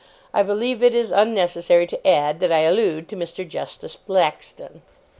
I believe it is unnecessary to add that I allude to Mr. justice Blackstone.